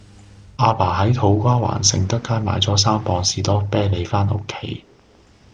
亞爸喺土瓜灣盛德街買左三磅士多啤梨返屋企